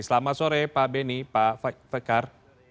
selamat sore pak beni pak fikar